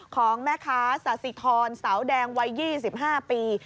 ของแม่ค้าสาธิธรเสาแดงวัย๒๕ปี